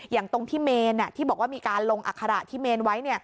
อย่างตรงที่เมนที่บอกว่ามีการลงอัคระที่เมนไว้